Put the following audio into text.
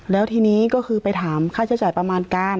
แล้วทีนี้ก็คือไปถามค่าใช้จ่ายประมาณการ